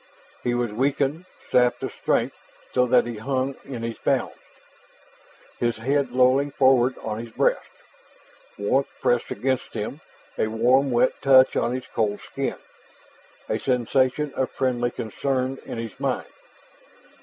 He was weakened, sapped of strength, so that he hung in his bounds, his head lolling forward on his breast. Warmth pressed against him, a warm wet touch on his cold skin, a sensation of friendly concern in his mind.